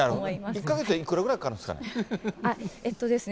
１か月でいくらぐらいかかるんですかね。